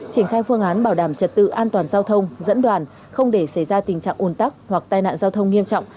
triển khai phương án bảo đảm trật tự an toàn giao thông dẫn đoàn không để xảy ra tình trạng ồn tắc hoặc tai nạn giao thông nghiêm trọng